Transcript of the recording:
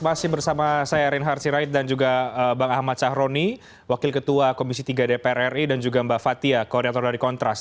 masih bersama saya reinhard sirait dan juga bang ahmad sahroni wakil ketua komisi tiga dpr ri dan juga mbak fathia koordinator dari kontras